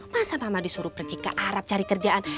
masa pama disuruh pergi ke arab cari kerjaan